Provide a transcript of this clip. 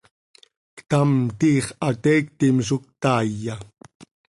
¿Ctam, tiix hateiictim zo ctaaiya?